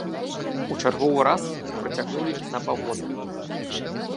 У чарговы раз іх працягнулі на паўгода.